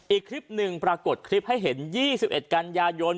อีกครีตหนึ่งปรากฏให้เห็น๒๑กันยานยนต์